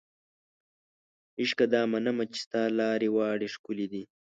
عشقه دا منمه چې ستا لارې واړې ښکلې دي